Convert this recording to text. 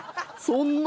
そんな。